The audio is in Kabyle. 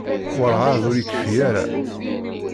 Werɛad ur yekfi ara.